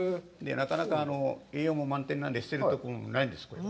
なかなか栄養も満点なんで捨てるところもないんです、これは。